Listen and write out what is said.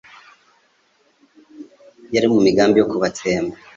Yari mu migambi yo kubatsemba